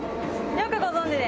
よくご存じで。